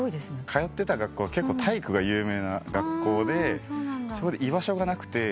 通ってた学校が結構体育が有名な学校で居場所がなくて。